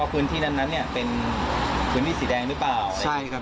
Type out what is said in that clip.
พื้นที่นั้นเป็นพื้นที่สีแดงหรือเปล่า